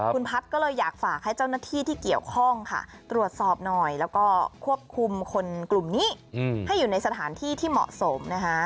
คุณพัฒน์ก็เลยอยากฝากให้เจ้าหน้าที่ที่เกี่ยวข้องค่ะตรวจสอบหน่อยแล้วก็ควบคุมคนกลุ่มนี้ให้อยู่ในสถานที่ที่เหมาะสมนะคะ